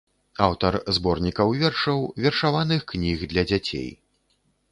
Аўтар зборнікаў вершаў, вершаваных кніг для дзяцей.